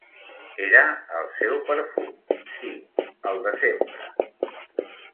Era el seu perfum, sí, el de sempre.